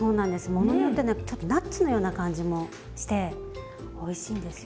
ものによってねちょっとナッツのような感じもしておいしいんですよね。